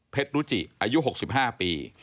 รุจิอายุ๖๕ปี